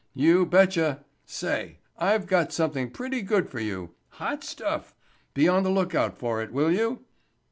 You betcha—say, I've got something pretty good for you ... hot stuff.... Be on the lookout for it, will you?